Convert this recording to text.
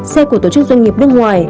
xe của tổ chức doanh nghiệp nước ngoài